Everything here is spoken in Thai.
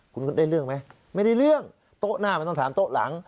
คุณได้เรื่องไหมไม่ได้เรื่องโต๊ะหน้ามันต้องถามโต๊ะหลัง